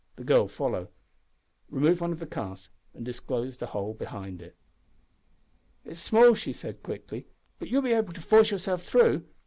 The girl followed, removed one of the casks, and disclosed a hole behind it. "It is small," she said, quickly, "but you will be able to force yourself through.